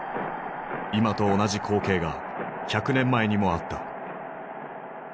今と同じ光景が１００年前にもあった。